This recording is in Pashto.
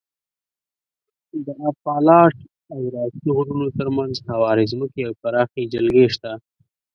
د اپالاش او راکي غرونو تر منځ هوارې ځمکې او پراخې جلګې شته.